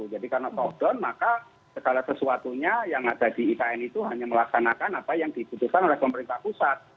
jadi karena top down maka segala sesuatunya yang ada di ikn itu hanya melaksanakan apa yang dibutuhkan oleh pemerintah pusat